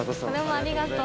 ありがとう。